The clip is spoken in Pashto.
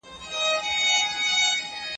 دا پوښتنه له هغه اسانه ده؟!